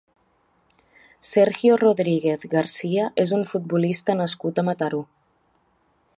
Sergio Rodríguez García és un futbolista nascut a Mataró.